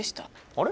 あれ？